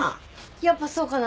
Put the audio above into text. やっぱそうかな？